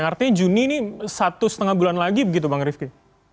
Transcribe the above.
artinya juni ini satu setengah bulan lagi begitu bang rifki